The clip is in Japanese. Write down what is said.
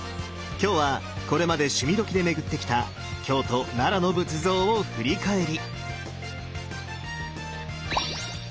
今日はこれまで「趣味どきっ！」で巡ってきた京都・奈良の仏像を振り返り！